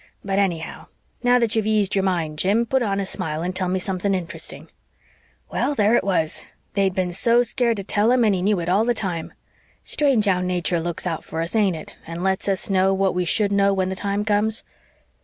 But anyhow, now that you've eased your mind, Jim, put on a smile and tell me something interesting,' Well, there it was. They'd been so scared to tell him and he knew it all the time. Strange how nature looks out for us, ain't it, and lets us know what we should know when the time comes?